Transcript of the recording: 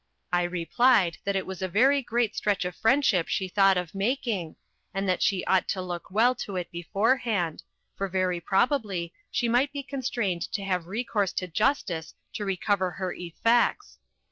I replied that it was a very great stretch of friendship she thought of making, and that she ought to look well to it beforehand, for very probably she might be constrained to have recourse to justice to recover her effects.